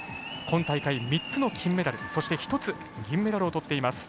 今大会３つの金メダルそして１つ、銀メダルをとっています。